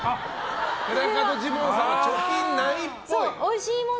寺門ジモンさんは貯金ないっぽいと。